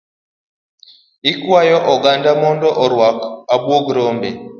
Ikwayo oganda mondo oruk abuog rombe.